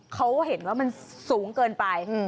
เขาเห็นว่ามันสูงเกินไป